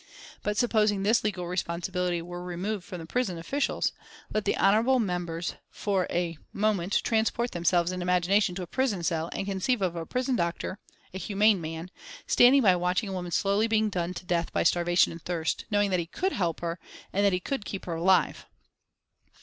But, supposing this legal responsibility were removed from the prison officials, let honourable members for a moment transport themselves in imagination to a prison cell and conceive of a prison doctor, a humane man, standing by watching a woman slowly being done to death by starvation and thirst, knowing that he could help her and that he could keep her alive.